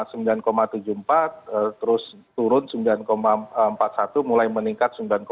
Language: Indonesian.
sembilan tujuh puluh empat terus turun sembilan empat puluh satu mulai meningkat sembilan